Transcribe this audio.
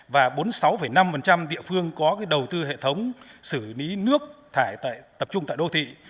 và bốn mươi sáu năm địa phương có đầu tư hệ thống xử lý nước thải tập trung tại đô thị